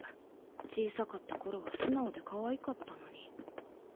小さかった頃は素直でかわいかったのに。